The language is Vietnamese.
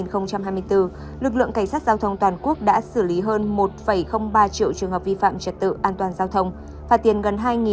lực lượng cảnh sát giao thông toàn quốc đã xử lý hơn một ba triệu trường hợp vi phạm trật tự an toàn giao thông